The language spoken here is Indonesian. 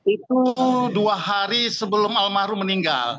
itu dua hari sebelum al mahrul meninggal